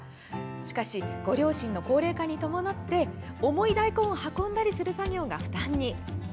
しかし、ご両親の高齢化に伴って重い大根を運んだりする作業が負担に。